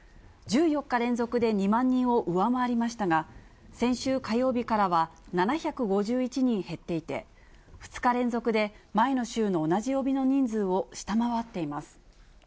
１４日連続で２万人を上回りましたが、先週火曜日からは７５１人減っていて、２日連続で前の週の同じ曜日の人数を下回っています。